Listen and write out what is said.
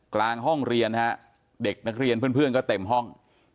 กลางห้องเรียนฮะเด็กนักเรียนเพื่อนก็เต็มห้อง